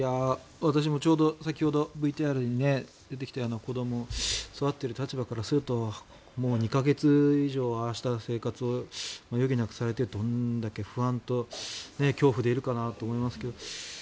私も先ほどＶＴＲに出てきたような子どもを育てている立場からすると２か月以上、ああした生活を余儀なくされてどんだけ不安と恐怖でいるかなと思いますけど。